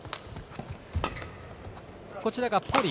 こちらがポリイ。